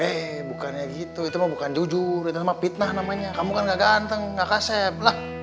eh bukannya gitu itu mau bukan jujur itu sama fitnah namanya kamu kan gak ganteng nggak kaset lah